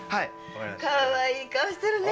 かわいい顔してるね